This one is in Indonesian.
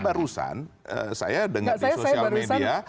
barusan saya dengar di sosial media